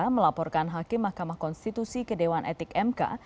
melaporkan hakim mahkamah konstitusi ke dewan etik mk